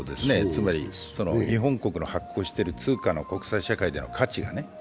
つまり、日本国の発行している通貨の国際社会での価値がね。